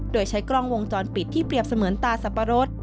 โดยใช้กล้องวงจรปิดที่เปรียบเสมือนตาสับปะรด